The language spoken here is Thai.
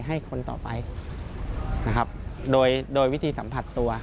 ให้คนต่อไปโดยวิธีสัมผัสตัว